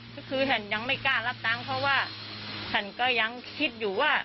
ก็คือท่านยังไม่กล้ารับตังค์เพราะว่าฉันก็ยังคิดอยู่ว่า